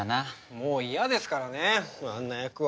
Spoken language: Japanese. もう嫌ですからねあんな役は。